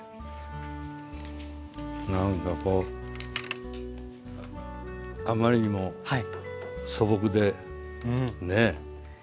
なんかこうあまりにも素朴でねえ？